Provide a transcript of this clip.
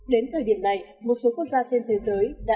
đến thời điểm này một số quốc gia trên thế giới đã